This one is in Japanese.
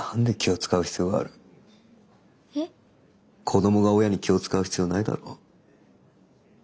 子どもが親に気を遣う必要ないだろ。